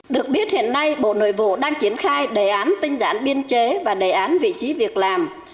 được biết hiện nay bộ nội vụ đang triển khai đề án tinh giản biên chế và đề án vị trí việc làm